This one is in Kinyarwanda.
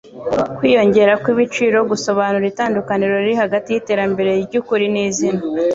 Kwiyongera kw'ibiciro gusobanura itandukaniro riri hagati yiterambere ryukuri nizina